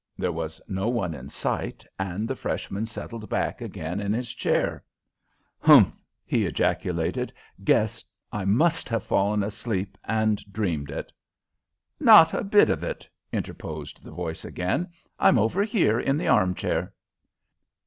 There was no one in sight, and the freshman settled back again in his chair. "Humph!" he ejaculated. "Guess I must have fallen asleep and dreamed it." "Not a bit of it," interposed the voice again. "I'm over here in the arm chair."